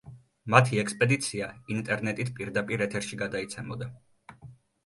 მათი ექსპედიცია ინტერნეტით პირდაპირ ეთერში გადაიცემოდა.